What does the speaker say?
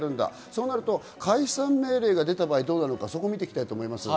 そうなると解散命令が出た場合、どうなのかを見ていきます。